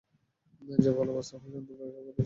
যেভাবে ভালোবাসতে হয় জানতাম, সেভাবেই ভালোবেসেছিলাম।